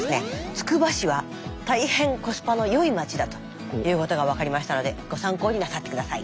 つくば市は大変コスパの良い町だということが分かりましたのでご参考になさって下さい。